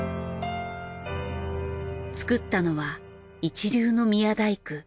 造ったのは一流の宮大工。